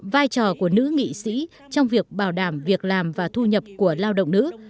vai trò của nữ nghị sĩ trong việc bảo đảm việc làm và thu nhập của lao động nữ